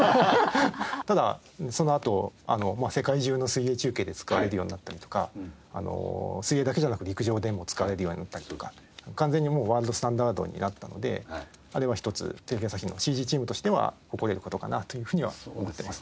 ただそのあと世界中の水泳中継で使われるようになったりとか水泳だけじゃなく陸上でも使われるようになったりとか完全にワールドスタンダードになったのであれは一つテレビ朝日のＣＧチームとしては誇れる事かなというふうには思ってます。